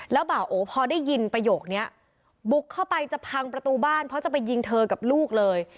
แล้วบ่าโอพอได้ยินประโยคนี้บุกเข้าไปจะพังประตูบ้านเพราะจะไปยิงเธอกับลูกเลย